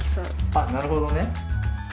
あなるほどね。